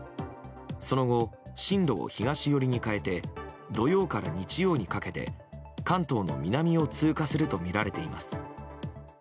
その後、進路を東寄りに変えて土曜から日曜にかけて関東の南を通過するとみられています。